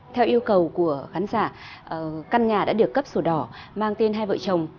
theo yêu cầu của khán giả căn nhà đã được cấp sổ đỏ mang tên hai vợ chồng